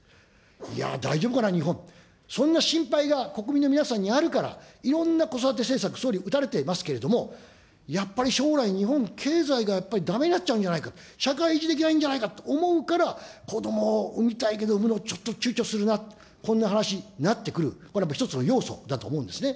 いや、大丈夫かな、日本、そんな心配が国民の皆さんにあるから、いろんな子育て政策、総理、打たれてますけれども、やっぱり将来、日本、経済がだめになっちゃうんじゃないか、社会維持できないんじゃないかと思うから、子どもを産みたいけどちょっと産むのをちゅうちょするな、こんな話になってくる、これは一つの要素だと思うんですね。